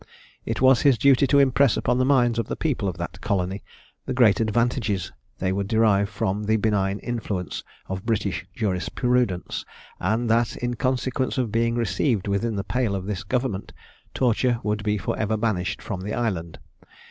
It was his duty to impress upon the minds of the people of that colony, the great advantages they would derive from the benign influence of British jurisprudence; and that in consequence of being received within the pale of this government, torture would be for ever banished from the island.